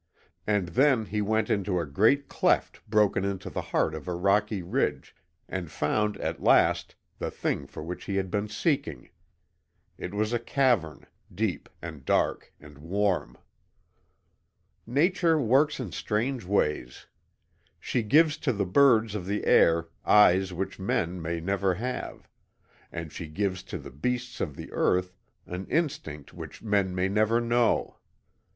And then he went into a great cleft broken into the heart of a rocky ridge, and found at last the thing for which he had been seeking. It was a cavern deep, and dark, and warm. Nature works in strange ways. She gives to the birds of the air eyes which men may never have, and she gives to the beasts of the earth an instinct which men may never know.